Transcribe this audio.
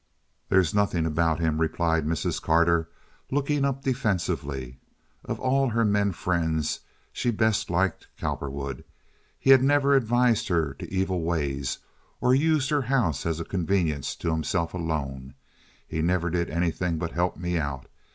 "There's nothing about him," replied Mrs. Carter, looking up defensively. Of all her men friends she best liked Cowperwood. He had never advised her to evil ways or used her house as a convenience to himself alone. "He never did anything but help me out.